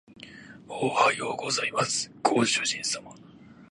おはようございますご主人様